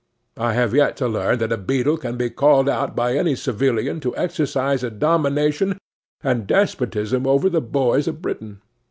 I have yet to learn that a beadle can be called out by any civilian to exercise a domination and despotism over the boys of Britain.